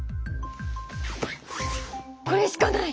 これしかない！